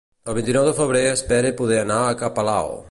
El vint-i-nou de febrer espere poder anar a ca Palao.